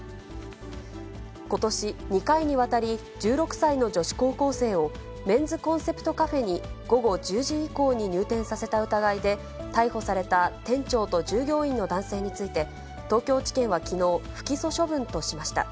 ことし、２回にわたり１６歳の女子高校生を、メンズコンセプトカフェに午後１０時以降に入店させた疑いで、逮捕された店長と従業員の男性について、東京地検はきのう、不起訴処分としました。